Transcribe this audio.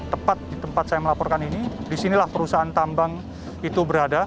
tepat di tempat saya melaporkan ini disinilah perusahaan tambang itu berada